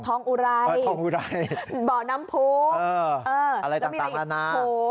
ทองอุไรบ่อน้ำพุกอะไรต่างแล้วนะโถ